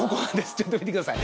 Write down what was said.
ちょっと見てください。